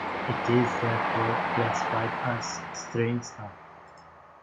It is, therefore, classified as a "string" stop.